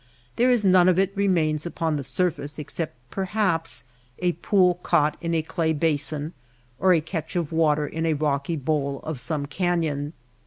There is non e of it^ remains upon the surface except perhaps a pool caugKt in a clay basin, or a catch of water in a rocky bowl of some canyon.